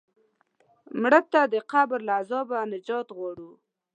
مړه ته د قبر له عذابه نجات غواړو